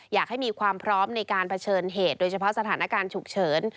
อยากให้มีความพร้อมในการเผชิญเหตุโดยเฉพาะสถานการณ์ฉุกเฉิน